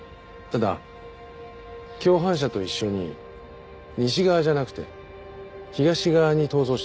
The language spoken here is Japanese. ただ共犯者と一緒に西側じゃなくて東側に逃走しているんだ。